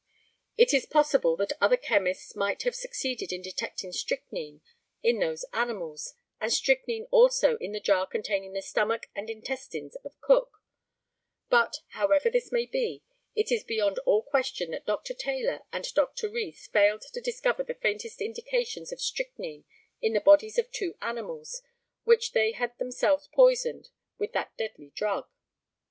It is possible that other chemists might have succeeded in detecting strychnine in those animals, and strychnine also in the jar containing the stomach and intestines of Cook; but, however this may be, it is beyond all question that Dr. Taylor and Dr. Rees failed to discover the faintest indications of strychnine in the bodies of two animals which they had themselves poisoned with that deadly drug.